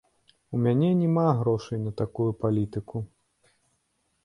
У мяне няма грошай на такую палітыку.